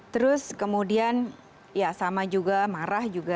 terus kemudian ya sama juga marah juga